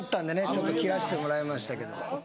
ちょっと切らせてもらいましたけど